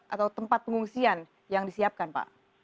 atau tempat pengungsian yang disiapkan pak